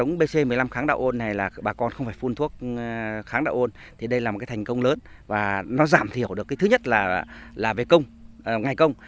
nó giảm thiểu được thứ nhất là về ngày công